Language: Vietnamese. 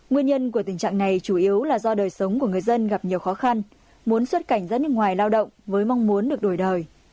nguyên nhân của tình trạng này chủ yếu là do đời sống của người dân gặp nhiều khó khăn muốn xuất cảnh ra nước ngoài lao động với mong muốn được đổi đời